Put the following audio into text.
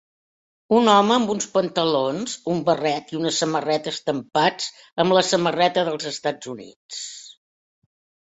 Un home amb uns pantalons, un barret i una samarreta estampats amb la samarreta dels Estats Units.